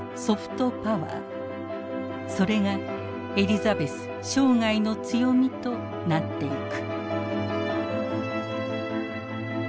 それがエリザベス生涯の強みとなっていく。